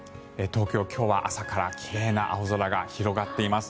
東京、今日は朝から奇麗な青空が広がっています。